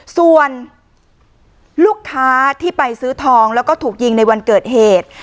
ส่วนลูกค้าที่ไปซื้อทองแล้วก็ถูกยิงในวันเกิดเหตุ